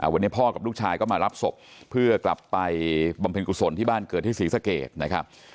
วันนี้พ่อกับลูกชายก็มารับศพเพื่อกลับไปบำเพ็ญกุศลที่บ้านเกิดที่ศรีสะเกดนะครับ